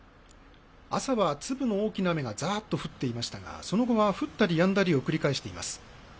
朝は粒の大きな雨がざーっと降っていましたがその後は降ったりやんだりを繰り返しています。